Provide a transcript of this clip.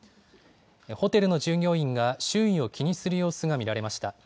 ホテルの従業員が周囲を気にする様子が見られました。